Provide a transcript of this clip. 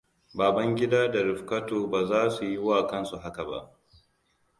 Babangida da Rifkatu ba za su yi wa kansu haka ba.